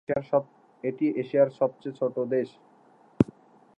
এটি এশিয়ার সবচেয়ে ছোট দেশ।